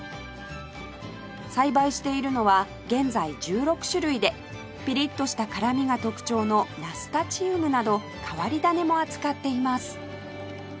栽培しているのは現在１６種類でピリッとした辛みが特徴のナスタチウムなど変わり種も扱っています